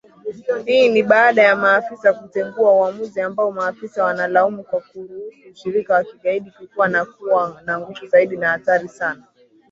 Hii ni baada ya maafisa kutengua uamuzi ambao maafisa wanalaumu kwa kuruhusu ushirika wa kigaidi kukua na kuwa na nguvu zaidi na hatari sana